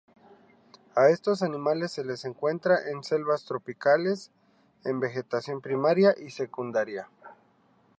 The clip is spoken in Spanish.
A estos animales se les encuentra en selvas tropicales, en vegetación primaria y secundaria.